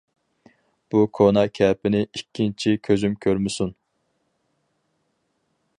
بۇ كونا كەپىنى ئىككىنچى كۆزۈم كۆرمىسۇن.